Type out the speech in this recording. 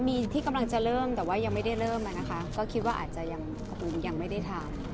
มีที่กำลังจะเริ่มแต่ว่ายังไม่ได้เริ่มอะนะคะก็คิดว่าอาจจะยังยังไม่ได้ทาน